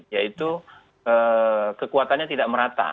yaitu kekuatannya tidak merata